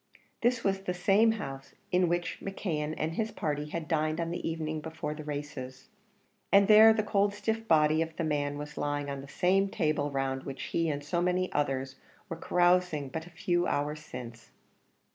This was the same house in which McKeon and his party had dined on the evening before the races, and there the cold stiff body of the man was lying on the same table round which he and so many others were carousing but a few hours since.